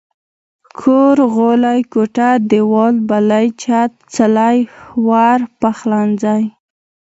کور ، غولی، کوټه، ديوال، بلۍ، چت، څلی، ور، پخلنځي